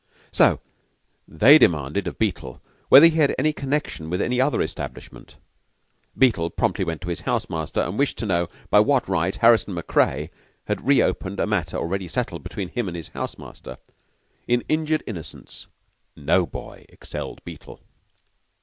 So they demanded of Beetle whether he had any connection with any other establishment. Beetle promptly went to his house master, and wished to know by what right Harrison and Craye had reopened a matter already settled between him and his house master. In injured innocence no boy excelled Beetle.